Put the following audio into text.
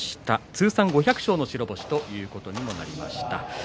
通算５００勝の白星ということにもなりました。